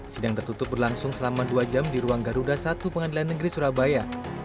sidang tertutup berlangsung selama dua jam di ruang garuda satu pengadilan negeri surabaya